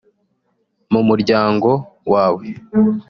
mu muryango wawe